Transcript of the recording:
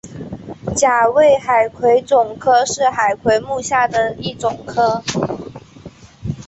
甲胄海葵总科是海葵目下的一总科。